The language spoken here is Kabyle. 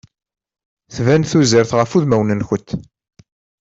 Tban tuzert ɣef udmawen-nkent.